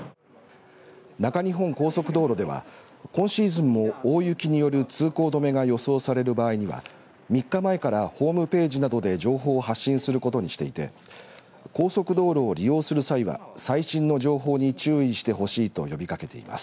中日本高速道路では今シーズンも大雪による通行止めが予想される場合には３日前からホームページなどで情報を発信することにしていて高速道路を利用する際は最新の情報に注意してほしいと呼びかけています。